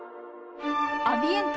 アビエント。